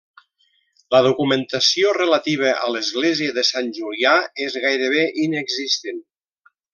La documentació relativa a l'església de Sant Julià és gairebé inexistent.